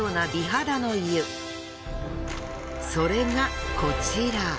それがこちら。